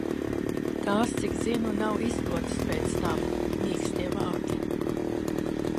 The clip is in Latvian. Tās, cik zinu, nav izdotas pēc tam. Mīkstie vāki.